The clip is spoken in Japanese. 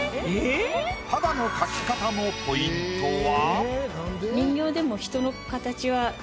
肌の描き方のポイントは？